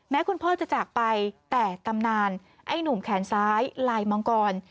คุณพ่อจะจากไปแต่ตำนานไอ้หนุ่มแขนซ้ายลายมังกร